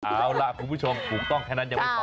เอาล่ะคุณผู้ชมถูกต้องแค่นั้นยังไม่พอ